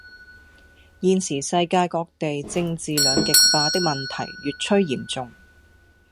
現時世界各地政治兩極化的問題越趨嚴重